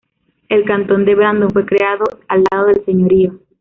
El cantón de Brandon fue creado al lado del señorío.